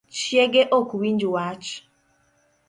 Chiege ok winj wach